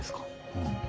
うん。